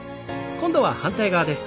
今度は反対側です。